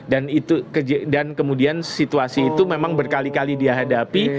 dan itu dan kemudian situasi itu memang berkali kali dihadapi